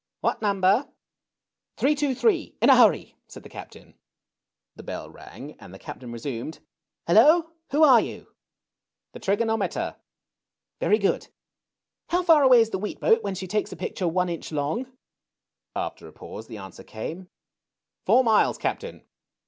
" What number ?"" 323, in a hurry !" said the Captain. The bell rang, and the Captain resumed :'' Hello, who are you ?" THE PURSUIT OF HAPPINESS. 239 The Trigonometer." ^^Very good. How far away is the wheat boat when she takes a picture one inch long ?'' After a pause the answer came : Four miles, Cap tain.